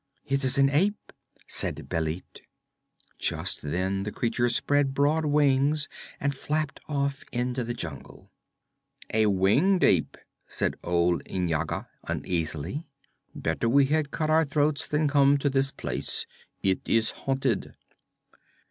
'It is an ape,' said Bêlit. Just then the creature spread broad wings and flapped off into the jungle. 'A winged ape,' said old N'Yaga uneasily. 'Better we had cut our throats than come to this place. It is haunted.'